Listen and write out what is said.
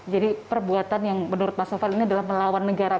jadi perbuatan yang menurut mas sofal ini adalah melawan kepentingan negara